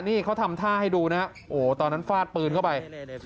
นี่เขาทำท่าให้ดูนะโอ้โหตอนนั้นฟาดปืนเข้าไป